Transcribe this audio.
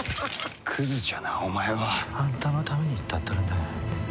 クズじゃなお前は。あんたのために言ったっとるんだがや。